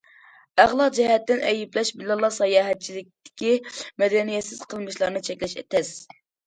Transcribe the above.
ئەخلاق جەھەتتىن ئەيىبلەش بىلەنلا ساياھەتچىلىكتىكى مەدەنىيەتسىز قىلمىشلارنى چەكلەش تەس.